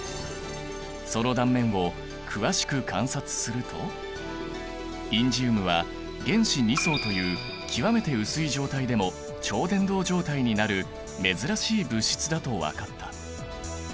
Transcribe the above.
その断面を詳しく観察するとインジウムは原子２層という極めて薄い状態でも超伝導状態になる珍しい物質だと分かった。